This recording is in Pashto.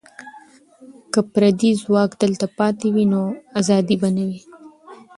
که پردي ځواک دلته پاتې وي، نو ازادي به نه وي.